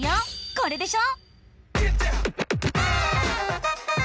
これでしょ？